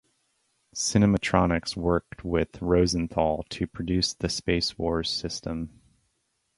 Cinematronics worked with Rosenthal to produce the Space Wars system.